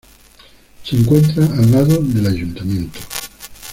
Se encuentra al lado del ayuntamiento.